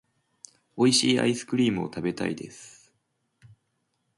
美味しいアイスクリームを食べたいです。